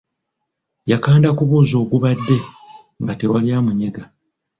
Yakanda kubuuza ogubadde nga tewali amunyega.